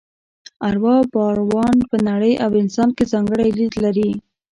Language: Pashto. اروا باوران په نړۍ او انسان کې ځانګړی لید لري.